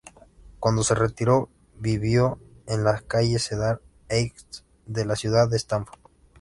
Cuando se retiró, vivió en la calle Cedar Heights, de la ciudad de Stamford.